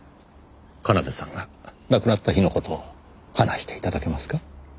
奏さんが亡くなった日の事を話して頂けますか？